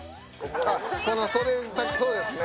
あっこの袖丈そうですね。